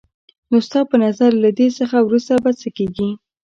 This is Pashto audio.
نو ستا په نظر له دې څخه وروسته به څه کېږي؟